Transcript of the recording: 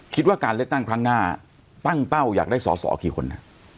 คิดว่าการเลือกตั้งครั้งหน้าตั้งเป้าอยากได้สอสอกี่คนฮะ